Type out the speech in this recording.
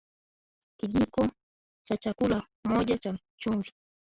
Kijiko cha chakula moja cha chumvi